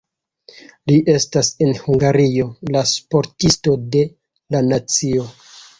Li estas en Hungario la Sportisto de la nacio.